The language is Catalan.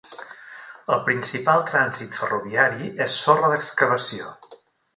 El principal trànsit ferroviari és sorra d'excavació.